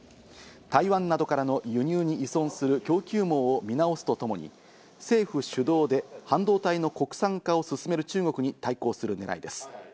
台湾などからの輸入に依存する供給網を見直すとともに政府主導で半導体の国産化を進める中国に対抗するねらいです。